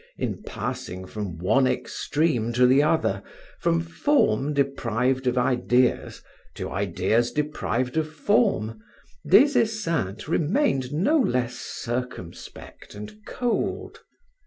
In passing from one extreme to the other, from form deprived of ideas to ideas deprived of form, Des Esseintes remained no less circumspect and cold.